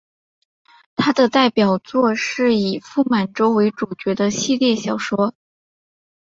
他的代表作是以傅满洲为主角的系列小说。